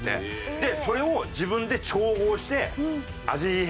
でそれを自分で調合して味変ですよね。